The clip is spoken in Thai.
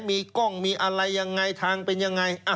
มีกล้องมีอะไรยังไงทางเป็นยังไง